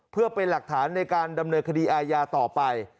เพื่อเป็นหลักฐานในการดำเนินคดีอาญาต่อไป